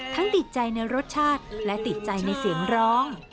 ติดใจในรสชาติและติดใจในเสียงร้อง